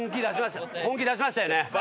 本気出しましたよね？